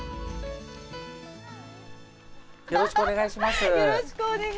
よろしくお願いします。